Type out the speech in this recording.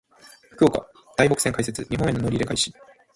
福岡・台北線開設。日本への乗り入れ開始。